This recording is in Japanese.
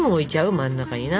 真ん中にな。